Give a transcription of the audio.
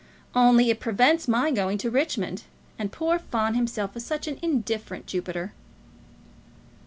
"Only it prevents my going to Richmond; and poor Fawn himself is such an indifferent Jupiter."